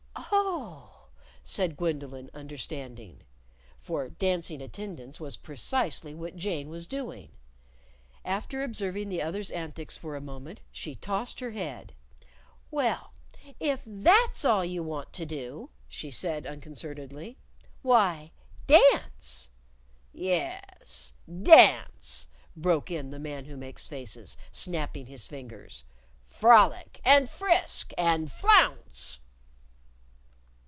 "Oh!" said Gwendolyn, understanding. (For dancing attendance was precisely what Jane was doing!) After observing the other's antics for a moment, she tossed her head. "Well, if that's all you want to do," she said unconcernedly, "why, dance." "Yes, dance," broke in the Man Who Makes Faces, snapping his fingers. "Frolic and frisk and flounce!"